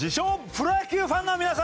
プロ野球ファンの皆さんです。